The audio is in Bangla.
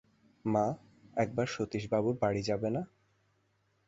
মা, একবার সতীশবাবুর বাড়ি যাবে না?